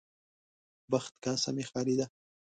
بخت کاسه مې خالي ده.